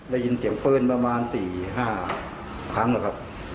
ได้ยินเสียงปืนประมาณ๔๕ครั้งแล้วครับ